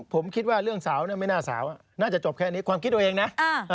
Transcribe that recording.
ผมคิดว่าเรื่องสาวเนี่ยไม่น่าสาวน่าจะจบแค่นี้ความคิดตัวเองนะ